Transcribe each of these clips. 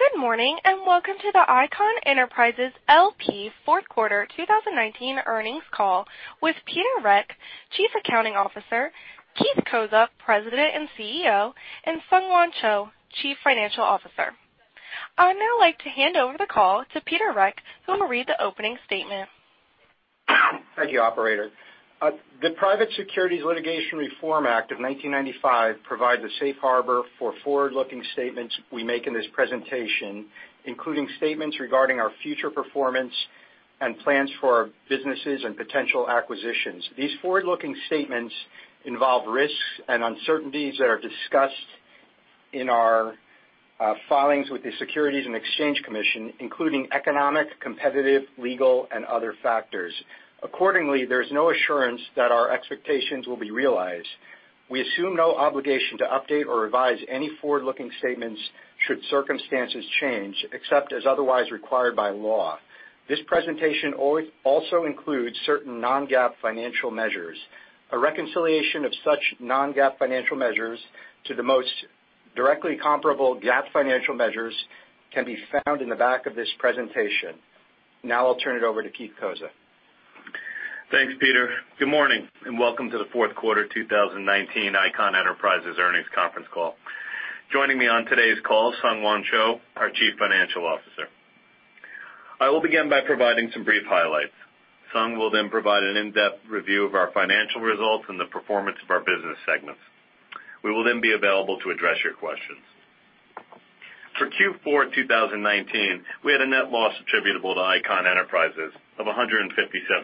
Good morning, welcome to the Icahn Enterprises LP fourth quarter 2019 earnings call with Peter Reck, Chief Accounting Officer, Keith Cozza, President and CEO, and SungHwan Cho, Chief Financial Officer. I would now like to hand over the call to Peter Reck, who will read the opening statement. Thank you, operator. The Private Securities Litigation Reform Act of 1995 provides a safe harbor for forward-looking statements we make in this presentation, including statements regarding our future performance and plans for our businesses and potential acquisitions. These forward-looking statements involve risks and uncertainties that are discussed in our filings with the Securities and Exchange Commission, including economic, competitive, legal, and other factors. There's no assurance that our expectations will be realized. We assume no obligation to update or revise any forward-looking statements should circumstances change, except as otherwise required by law. This presentation also includes certain non-GAAP financial measures. A reconciliation of such non-GAAP financial measures to the most directly comparable GAAP financial measures can be found in the back of this presentation. I'll turn it over to Keith Cozza. Thanks, Peter. Good morning. Welcome to the fourth quarter 2019 Icahn Enterprises earnings conference call. Joining me on today's call, SungHwan Cho, our Chief Financial Officer. I will begin by providing some brief highlights. Sung will then provide an in-depth review of our financial results and the performance of our business segments. We will then be available to address your questions. For Q4 2019, we had a net loss attributable to Icahn Enterprises of $157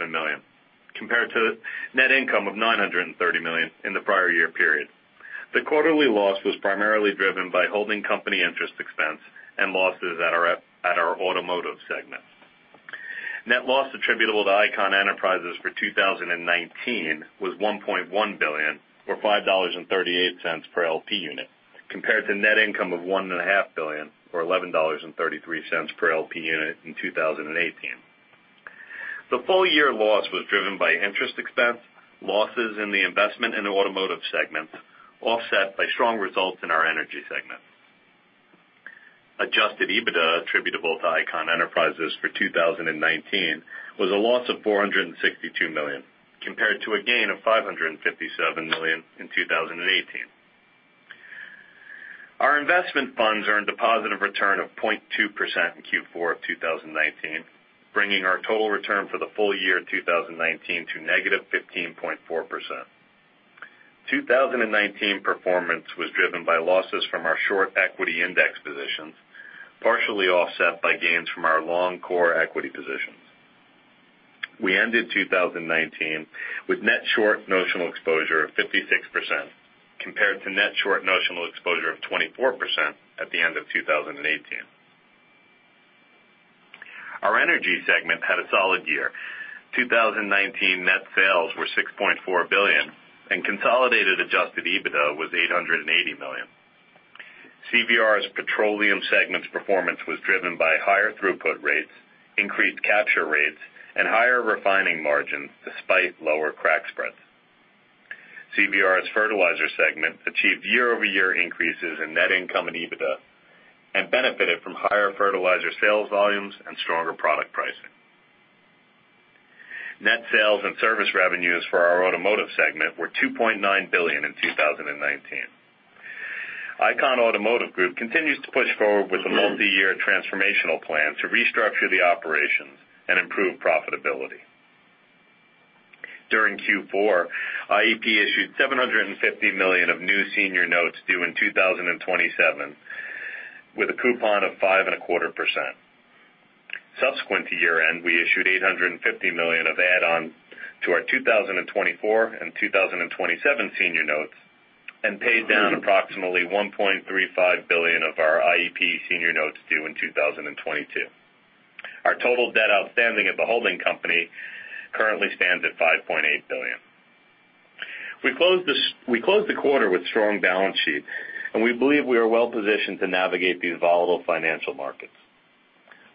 million, compared to net income of $930 million in the prior year period. The quarterly loss was primarily driven by holding company interest expense and losses at our automotive segment. Net loss attributable to Icahn Enterprises for 2019 was $1.1 billion, or $5.38 per LP unit, compared to net income of $1.5 billion, or $11.33 per LP unit in 2018. The full-year loss was driven by interest expense, losses in the investment in the automotive segment, offset by strong results in our energy segment. Adjusted EBITDA attributable to Icahn Enterprises for 2019 was a loss of $462 million, compared to a gain of $557 million in 2018. Our investment funds earned a positive return of 0.2% in Q4 of 2019, bringing our total return for the full year 2019 to -15.4%. 2019 performance was driven by losses from our short equity index positions, partially offset by gains from our long core equity positions. We ended 2019 with net short notional exposure of 56%, compared to net short notional exposure of 24% at the end of 2018. Our energy segment had a solid year. 2019 net sales were $6.4 billion, and consolidated adjusted EBITDA was $880 million. CVR's petroleum segment's performance was driven by higher throughput rates, increased capture rates, and higher refining margins despite lower crack spreads. CVR's fertilizer segment achieved year-over-year increases in net income and EBITDA, and benefited from higher fertilizer sales volumes and stronger product pricing. Net sales and service revenues for our automotive segment were $2.9 billion in 2019. Icahn Automotive Group continues to push forward with a multi-year transformational plan to restructure the operations and improve profitability. During Q4, IEP issued $750 million of new senior notes due in 2027, with a coupon of 5.25%. Subsequent to year-end, we issued $850 million of add-on to our 2024 and 2027 senior notes and paid down approximately $1.35 billion of our IEP senior notes due in 2022. Our total debt outstanding at the holding company currently stands at $5.8 billion. We closed the quarter with strong balance sheet, and we believe we are well-positioned to navigate these volatile financial markets.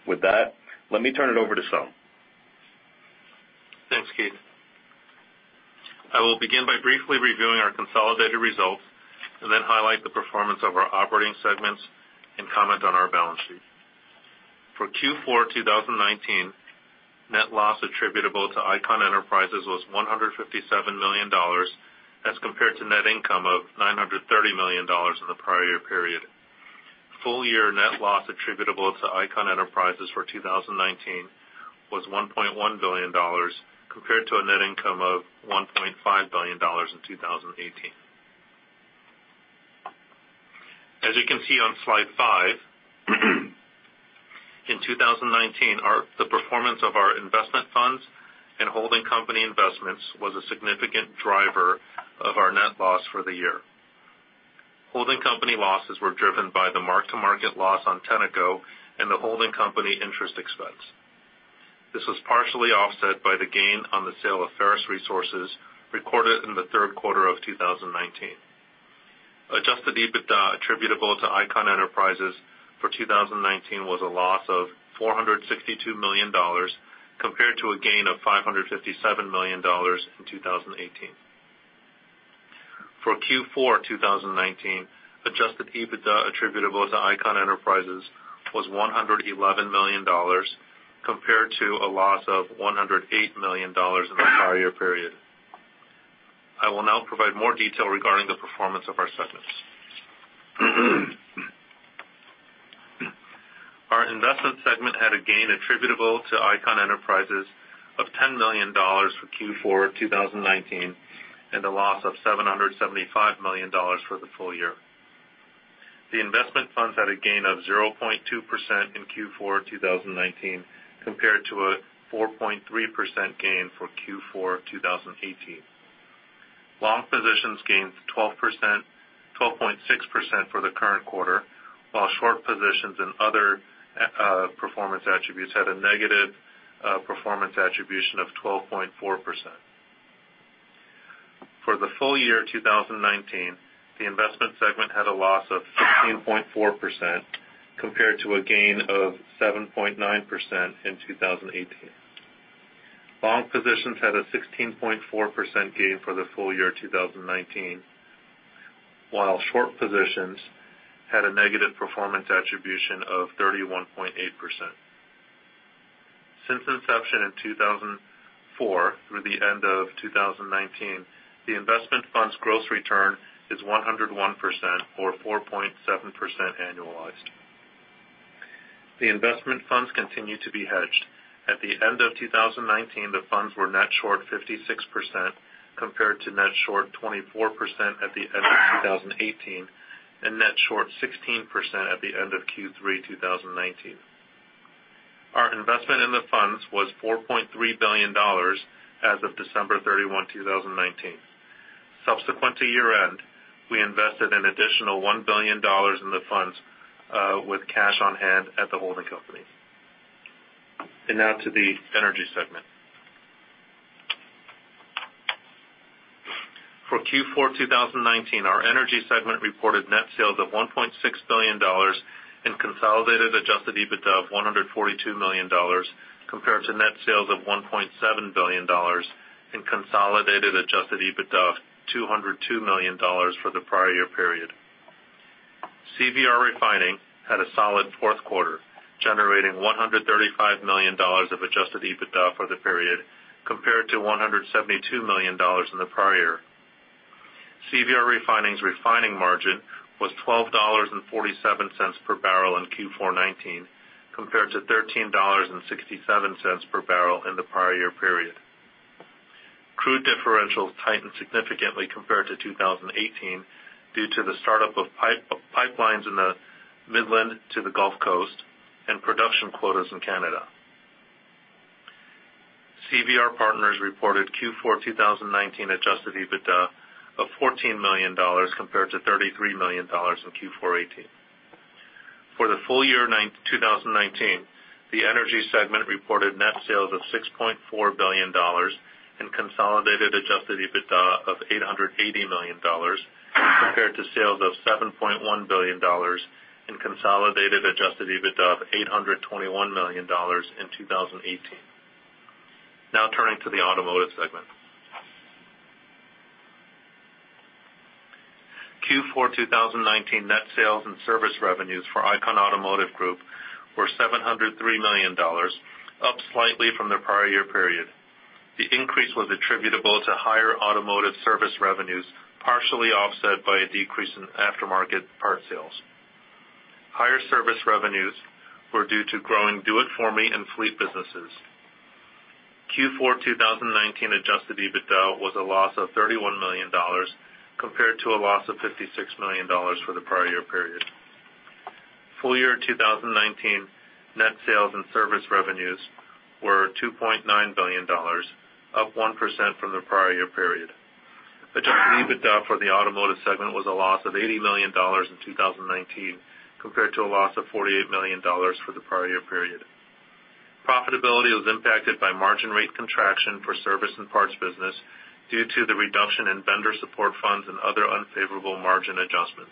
With that, let me turn it over to Sung. Thanks, Keith. I will begin by briefly reviewing our consolidated results and then highlight the performance of our operating segments and comment on our balance sheet. For Q4 2019, net loss attributable to Icahn Enterprises was $157 million, as compared to net income of $930 million in the prior year period. Full-year net loss attributable to Icahn Enterprises for 2019 was $1.1 billion, compared to a net income of $1.5 billion in 2018. As you can see on slide five, in 2019, the performance of our investment funds and holding company investments was a significant driver of our net loss for the year. Holding company losses were driven by the mark-to-market loss on Tenneco and the holding company interest expense. This was partially offset by the gain on the sale of Ferrous Resources recorded in the third quarter of 2019. Adjusted EBITDA attributable to Icahn Enterprises for 2019 was a loss of $462 million, compared to a gain of $557 million in 2018. For Q4 2019, adjusted EBITDA attributable to Icahn Enterprises was $111 million, compared to a loss of $108 million in the prior year period. I will now provide more detail regarding the performance of our segments. Our investment segment had a gain attributable to Icahn Enterprises of $10 million for Q4 2019, and a loss of $775 million for the full year. The investment funds had a gain of 0.2% in Q4 2019, compared to a 4.3% gain for Q4 2018. Long positions gained 12.6% for the current quarter, while short positions and other performance attributes had a negative performance attribution of 12.4%. For the full year 2019, the investment segment had a loss of 16.4%, compared to a gain of 7.9% in 2018. Long positions had a 16.4% gain for the full year 2019, while short positions had a negative performance attribution of 31.8%. Since inception in 2004 through the end of 2019, the investment fund's gross return is 101%, or 4.7% annualized. The investment funds continue to be hedged. At the end of 2019, the funds were net short 56%, compared to net short 24% at the end of 2018, and net short 16% at the end of Q3 2019. Our investment in the funds was $4.3 billion as of December 31, 2019. Subsequent to year-end, we invested an additional $1 billion in the funds with cash on hand at the holding company. Now to the energy segment. For Q4 2019, our energy segment reported net sales of $1.6 billion and consolidated adjusted EBITDA of $142 million, compared to net sales of $1.7 billion and consolidated adjusted EBITDA of $202 million for the prior year period. CVR Refining had a solid fourth quarter, generating $135 million of adjusted EBITDA for the period, compared to $172 million in the prior year. CVR Refining's refining margin was $12.47 per barrel in Q4 2019, compared to $13.67 per barrel in the prior year period. Crude differentials tightened significantly compared to 2018 due to the startup of pipelines in the Midland to the Gulf Coast and production quotas in Canada. CVR Partners reported Q4 2019 adjusted EBITDA of $14 million compared to $33 million in Q4 2018. For the full year 2019, the energy segment reported net sales of $6.4 billion and consolidated adjusted EBITDA of $880 million, compared to sales of $7.1 billion and consolidated adjusted EBITDA of $821 million in 2018. Turning to the automotive segment. Q4 2019 net sales and service revenues for Icahn Automotive Group were $703 million, up slightly from the prior year period. The increase was attributable to higher automotive service revenues, partially offset by a decrease in aftermarket parts sales. Higher service revenues were due to growing Do It For Me and Fleet businesses. Q4 2019 adjusted EBITDA was a loss of $31 million, compared to a loss of $56 million for the prior year period. Full year 2019 net sales and service revenues were $2.9 billion, up 1% from the prior year period. Adjusted EBITDA for the automotive segment was a loss of $80 million in 2019, compared to a loss of $48 million for the prior year period. Profitability was impacted by margin rate contraction for service and parts business due to the reduction in vendor support funds and other unfavorable margin adjustments.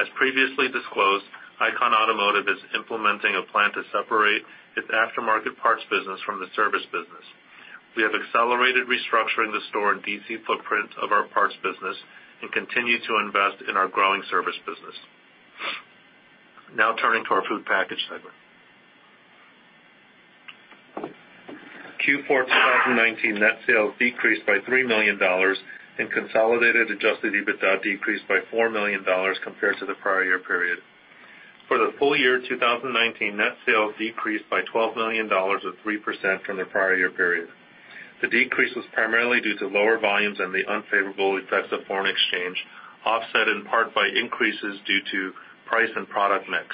As previously disclosed, Icahn Automotive is implementing a plan to separate its aftermarket parts business from the service business. We have accelerated restructuring the store and DC footprint of our parts business and continue to invest in our growing service business. Now turning to our food package segment. Q4 2019 net sales decreased by $3 million, and consolidated adjusted EBITDA decreased by $4 million compared to the prior year period. For the full year 2019, net sales decreased by $12 million, or 3%, from the prior year period. The decrease was primarily due to lower volumes and the unfavorable effects of foreign exchange, offset in part by increases due to price and product mix.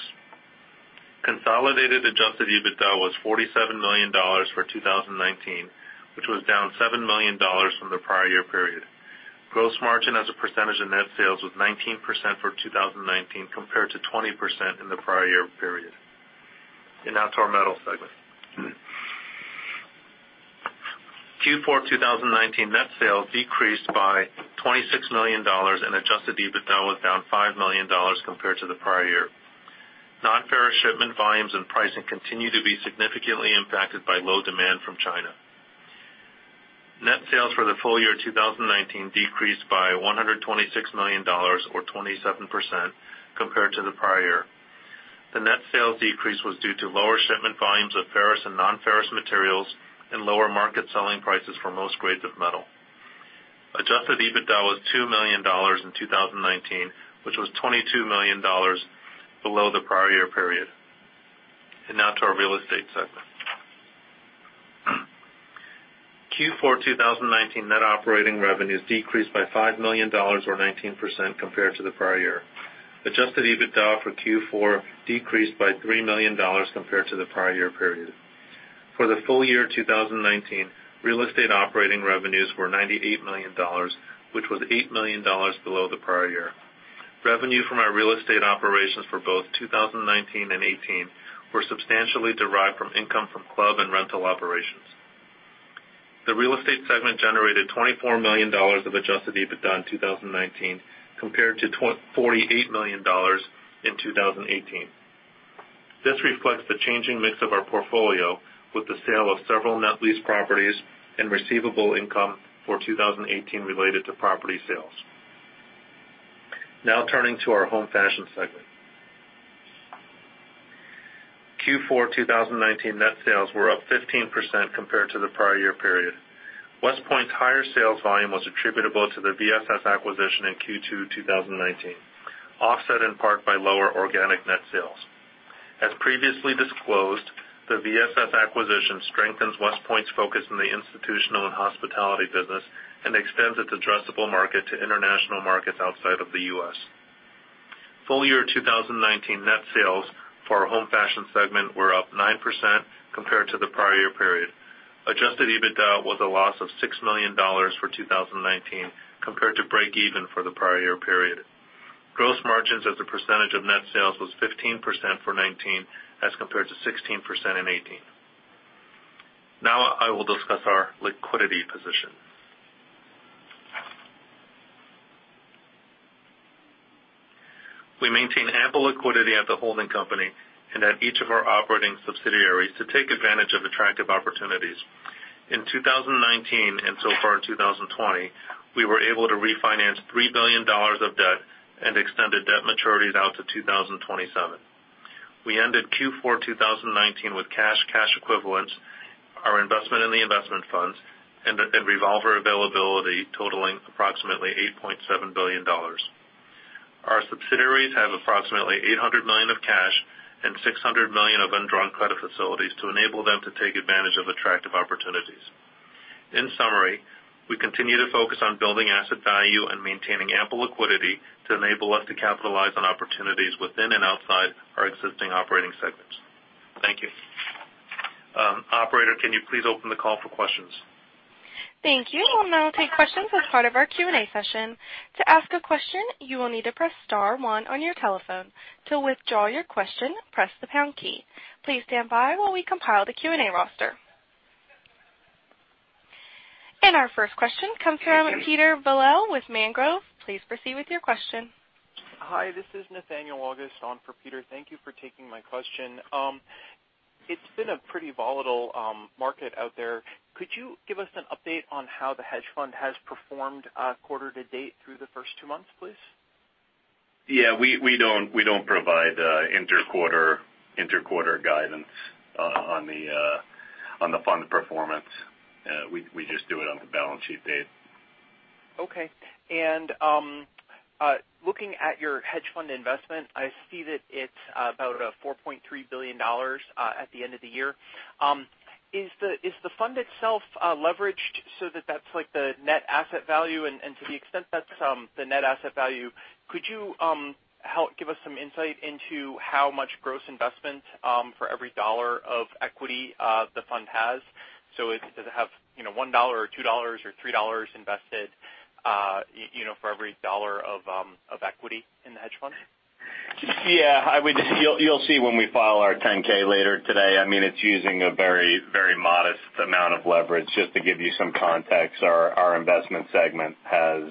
Consolidated adjusted EBITDA was $47 million for 2019, which was down $7 million from the prior year period. Gross margin as a percentage of net sales was 19% for 2019, compared to 20% in the prior year period. Now to our metal segment. Q4 2019 net sales decreased by $26 million, and adjusted EBITDA was down $5 million compared to the prior year. Shipment volumes and pricing continue to be significantly impacted by low demand from China. Net sales for the full year 2019 decreased by $126 million or 27% compared to the prior year. The net sales decrease was due to lower shipment volumes of ferrous and non-ferrous materials and lower market selling prices for most grades of metal. Adjusted EBITDA was $2 million in 2019, which was $22 million below the prior year period. Now to our Real Estate segment. Q4 2019 net operating revenues decreased by $5 million or 19% compared to the prior year. Adjusted EBITDA for Q4 decreased by $3 million compared to the prior year period. For the full year 2019, real estate operating revenues were $98 million, which was $8 million below the prior year. Revenue from our Real Estate operations for both 2019 and 2018 were substantially derived from income from club and rental operations. The Real Estate segment generated $24 million of adjusted EBITDA in 2019 compared to $48 million in 2018. This reflects the changing mix of our portfolio with the sale of several net lease properties and receivable income for 2018 related to property sales. Now turning to our Home Fashion segment. Q4 2019 net sales were up 15% compared to the prior year period. WestPoint's higher sales volume was attributable to their VSS acquisition in Q2 2019, offset in part by lower organic net sales. As previously disclosed, the VSS acquisition strengthens WestPoint's focus in the institutional and hospitality business and extends its addressable market to international markets outside of the U.S. Full year 2019 net sales for our Home Fashion segment were up 9% compared to the prior year period. Adjusted EBITDA was a loss of $6 million for 2019 compared to break even for the prior year period. Gross margins as a percentage of net sales was 15% for 2019 as compared to 16% in 2018. I will discuss our liquidity position. We maintain ample liquidity at the holding company and at each of our operating subsidiaries to take advantage of attractive opportunities. In 2019 and so far in 2020, we were able to refinance $3 billion of debt and extended debt maturities out to 2027. We ended Q4 2019 with cash, cash equivalents, our investment in the investment funds, and revolver availability totaling approximately $8.7 billion. Our subsidiaries have approximately $800 million of cash and $600 million of undrawn credit facilities to enable them to take advantage of attractive opportunities. In summary, we continue to focus on building asset value and maintaining ample liquidity to enable us to capitalize on opportunities within and outside our existing operating segments. Thank you. Operator, can you please open the call for questions? Thank you. We'll now take questions as part of our Q&A session. To ask a question, you will need to press star one on your telephone. To withdraw your question, press the pound key. Please stand by while we compile the Q&A roster. Our first question comes from Peter Belohl with Mangrove. Please proceed with your question. Hi, this is Nathaniel August on for Peter. Thank you for taking my question. It's been a pretty volatile market out there. Could you give us an update on how the hedge fund has performed quarter to date through the first two months, please? Yeah, we don't provide inter-quarter guidance on the fund performance. We just do it on the balance sheet date. Okay. Looking at your hedge fund investment, I see that it's about $4.3 billion at the end of the year. Is the fund itself leveraged so that that's like the net asset value? To the extent that's the net asset value, could you give us some insight into how much gross investment for every dollar of equity the fund has? Does it have $1 or $2 or $3 invested for every dollar of equity in the hedge fund? Yeah. You'll see when we file our 10-K later today. It's using a very modest amount of leverage. Just to give you some context, our investment segment has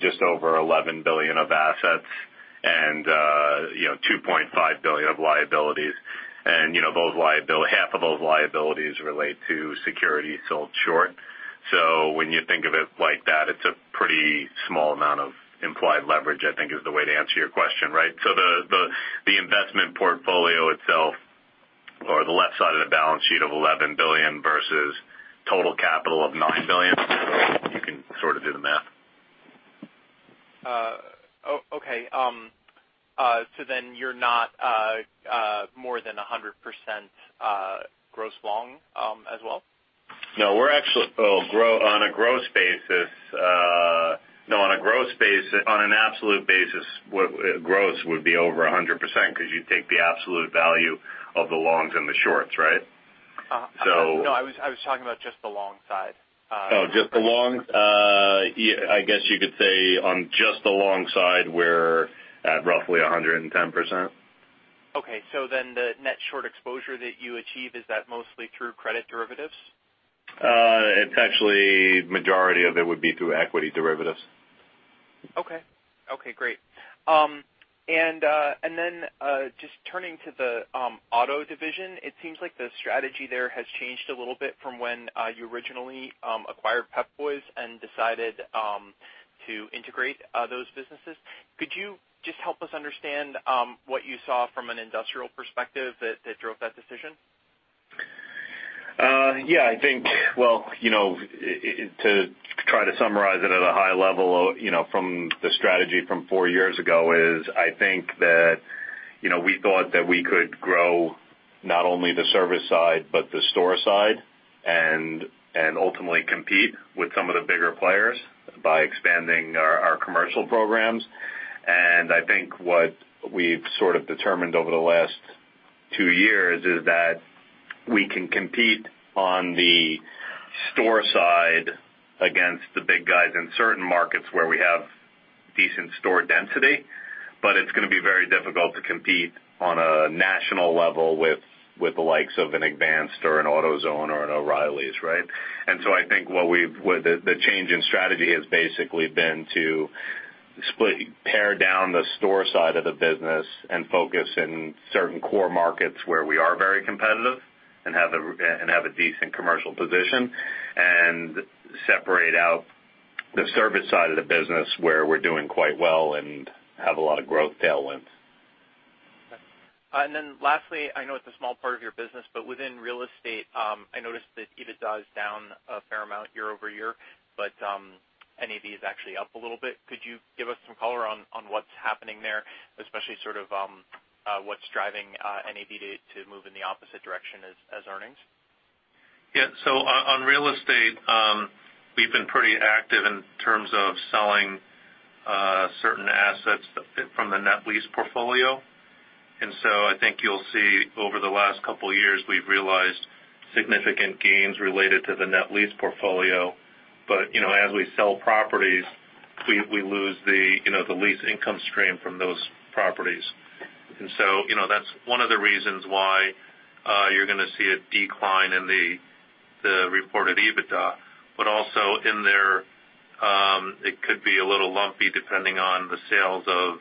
just over $11 billion of assets and $2.5 billion of liabilities. Half of those liabilities relate to securities sold short. When you think of it like that, it's a pretty small amount of implied leverage, I think, is the way to answer your question, right. The investment portfolio itself or the left side of the balance sheet of $11 billion versus total capital of $9 billion, you can sort of do the math. You're not more than 100% gross long as well? No, on an absolute basis, gross would be over 100% because you take the absolute value of the longs and the shorts, right. No, I was talking about just the long side. Oh, just the long? I guess you could say on just the long side, we're at roughly 110%. Okay. The net short exposure that you achieve, is that mostly through credit derivatives? Actually, majority of it would be through equity derivatives. Okay, great. Then just turning to the auto division, it seems like the strategy there has changed a little bit from when you originally acquired Pep Boys and decided to integrate those businesses. Could you just help us understand what you saw from an industrial perspective that drove that decision? Yeah. I think, well, to try to summarize it at a high level from the strategy from four years ago is, I think that we thought that we could grow not only the service side, but the store side, and ultimately compete with some of the bigger players by expanding our commercial programs. I think what we've sort of determined over the last two years is that we can compete on the store side against the big guys in certain markets where we have decent store density, but it's going to be very difficult to compete on a national level with the likes of an Advance or an AutoZone or an O'Reilly's, right? I think the change in strategy has basically been to pare down the store side of the business and focus in certain core markets where we are very competitive and have a decent commercial position, and separate out the service side of the business where we're doing quite well and have a lot of growth tailwinds. Okay. Lastly, I know it's a small part of your business, but within real estate, I noticed that EBITDA is down a fair amount year-over-year, but NAV is actually up a little bit. Could you give us some color on what's happening there, especially sort of what's driving NAV to move in the opposite direction as earnings? Yeah. On real estate, we've been pretty active in terms of selling certain assets from the net lease portfolio. I think you'll see over the last couple of years, we've realized significant gains related to the net lease portfolio. As we sell properties, we lose the lease income stream from those properties. That's one of the reasons why you're going to see a decline in the reported EBITDA. Also in there, it could be a little lumpy depending on the sales of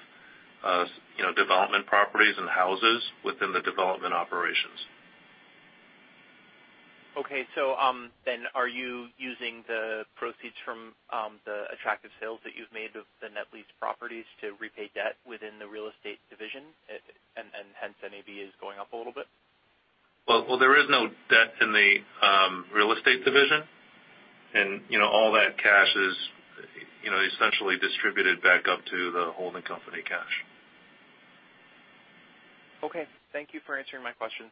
development properties and houses within the development operations. Okay, are you using the proceeds from the attractive sales that you've made of the net lease properties to repay debt within the real estate division, and hence NAV is going up a little bit? Well, there is no debt in the real estate division. All that cash is essentially distributed back up to the holding company cash. Okay, thank you for answering my questions.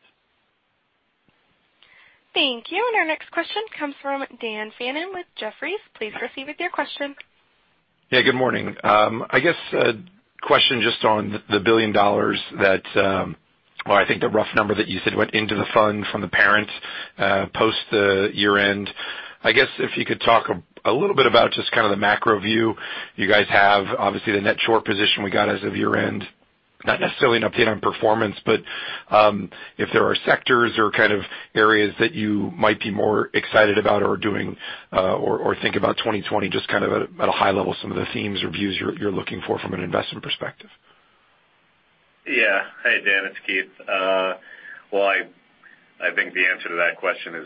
Thank you. Our next question comes from Dan Fannon with Jefferies. Please proceed with your question. Yeah, good morning. I guess a question just on the $1 billion that, or I think the rough number that you said went into the fund from the parent post the year-end. I guess if you could talk a little bit about just kind of the macro view you guys have. Obviously, the net short position we got as of year-end. Not necessarily an update on performance, but if there are sectors or kind of areas that you might be more excited about or think about 2020, just kind of at a high level, some of the themes or views you're looking for from an investment perspective. Yeah. Hey, Dan, it's Keith. I think the answer to that question has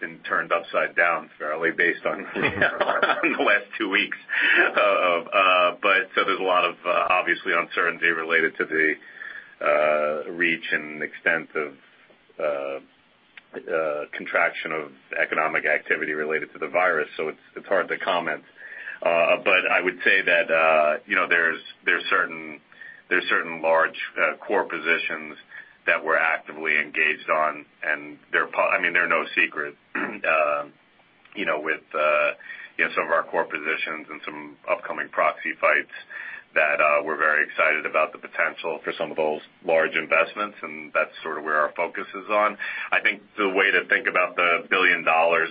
been turned upside down fairly based on the last two weeks. There's a lot of obviously uncertainty related to the reach and extent of contraction of economic activity related to the virus, so it's hard to comment. I would say that there's certain large core positions that we're actively engaged on, and they're no secret with some of our core positions and some upcoming proxy fights that we're very excited about the potential for some of those large investments, and that's sort of where our focus is on. I think the way to think about the $1 billion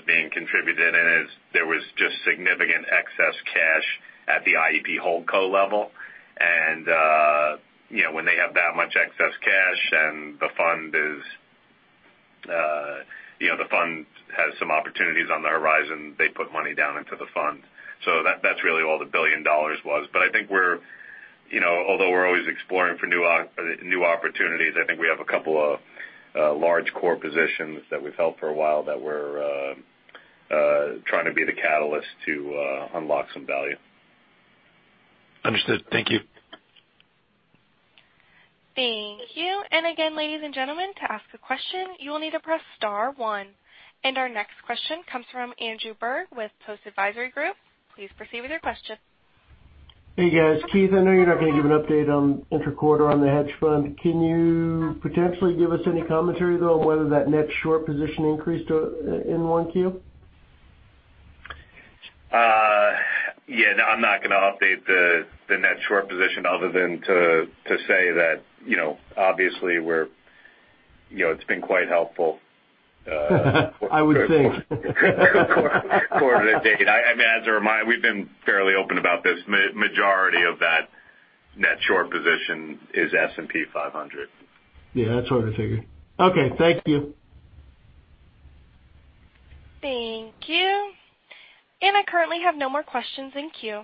being contributed in is there was just significant excess cash at the IEP holdco level. When they have that much excess cash, and the fund has some opportunities on the horizon, they put money down into the fund. That's really all the $1 billion was. I think although we're always exploring for new opportunities, I think we have a couple of large core positions that we've held for a while that we're trying to be the catalyst to unlock some value. Understood. Thank you. Thank you. Again, ladies and gentlemen, to ask a question, you will need to press star one. Our next question comes from Andrew Berg with Post Advisory Group. Please proceed with your question. Hey, guys. Keith, I know you're not going to give an update on interquarter on the hedge fund. Can you potentially give us any commentary, though, on whether that net short position increased in 1Q? Yeah, no, I'm not going to update the net short position other than to say that obviously it's been quite helpful. I would think. Quarter to date. As a reminder, we've been fairly open about this. Majority of that net short position is S&P 500. Yeah, that's what I figured. Okay, thank you. Thank you. I currently have no more questions in queue.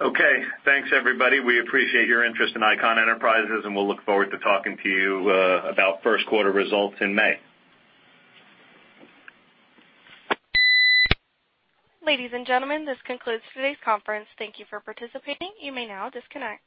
Okay. Thanks, everybody. We appreciate your interest in Icahn Enterprises. We'll look forward to talking to you about first quarter results in May. Ladies and gentlemen, this concludes today's conference. Thank you for participating. You may now disconnect.